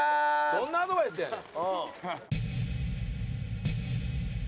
どんなアドバイスやねん。